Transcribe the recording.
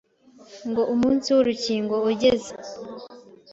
Ngo umunsi w’urukingo ugeze